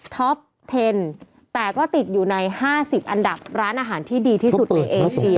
เทนแต่ก็ติดอยู่ใน๕๐อันดับร้านอาหารที่ดีที่สุดในเอเชีย